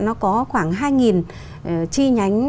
nó có khoảng hai chi nhánh